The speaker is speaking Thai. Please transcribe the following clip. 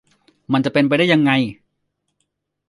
มันจะเป็นไปได้ยังไง